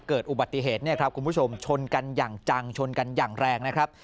เกิดอุบัติเหตุเนี่ยครับคุณผู้ชมชนกันอย่างจังชนกันอย่างแรงนะครับ